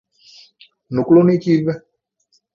ނުކުޅުނީ ކީއްވެ؟